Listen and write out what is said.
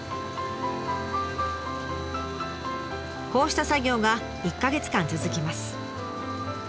こうした作業が１か月間続きます。